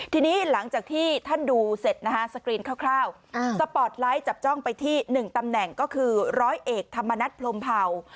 ทีนี้หลังจากที่ท่านดูเสร็จนะฮะสกรีนคร่าวสปอร์ตไลท์จับจ้องไปที่๑ตำแหน่งก็คือร้อยเอกธรรมนัฐพรมเผา